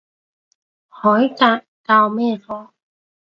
海格教咩科？